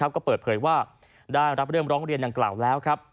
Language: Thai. อยู่นะครับก็เปิดเผยว่าได้รับเริ่มร้องเรียนดังกล่าวแล้วครับ